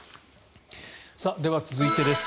では、続いてです。